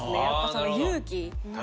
やっぱり、その勇気。